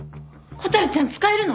蛍ちゃん使えるの！？